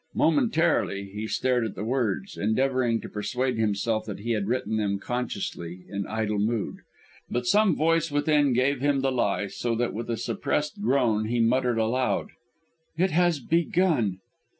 Momentarily, he stared at the words, endeavouring to persuade himself that he had written them consciously, in idle mood. But some voice within gave him the lie; so that with a suppressed groan he muttered aloud: "It has begun!"